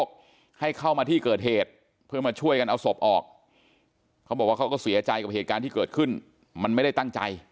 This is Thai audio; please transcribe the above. เขาบอกว่าเขาก็เสียใจว่ามันไม่ได้ตั้งใจ